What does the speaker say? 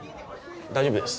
大丈夫です。